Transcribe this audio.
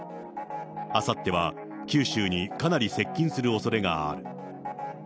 あさっては九州にかなり接近するおそれがある。